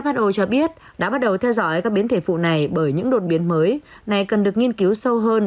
hho cho biết đã bắt đầu theo dõi các biến thể phụ này bởi những đột biến mới này cần được nghiên cứu sâu hơn